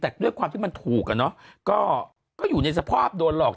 แต่ด้วยความที่มันถูกอ่ะเนอะก็อยู่ในสภาพโดนหลอก